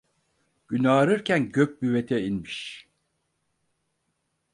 Gün ağarırken Gök Büvet'e inmiş.